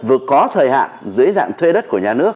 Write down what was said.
vừa có thời hạn dưới dạng thuê đất của nhà nước